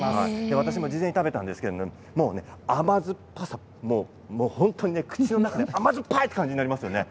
私も事前に食べたんですが甘酸っぱさ口の中で甘酸っぱいという感じがありますよね。